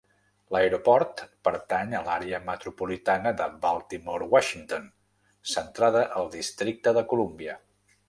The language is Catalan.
L'aeroport pertany a l'àrea metropolitana de Baltimore-Washington, centrada al districte de Columbia.